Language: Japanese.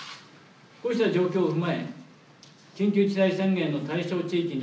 こうした状況を踏まえ緊急事態宣言の対象地域